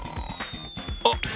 あっ！